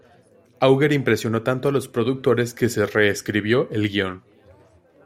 Auger impresionó tanto a los productores que se re-escribió el guión.